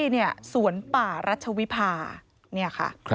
มารัชวิภานี่ค่ะ